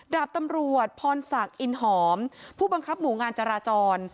ดาบตำรวจพรศักดิ์อินหอมผู้บังคับหมู่งานจราจร